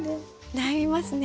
悩みますね。